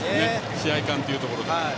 試合勘というところで。